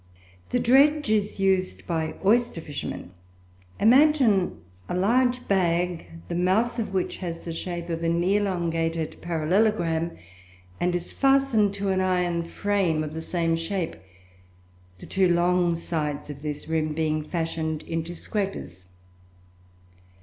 The dredge is used by oyster fishermen. Imagine a large bag, the mouth of which has the shape of an elongated parallelogram, and is fastened to an iron frame of the same shape, the two long sides of this rim being fashioned into scrapers.